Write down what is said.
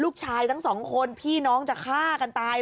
ทั้งสองคนพี่น้องจะฆ่ากันตาย